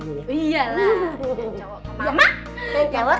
kenceng banget ke mama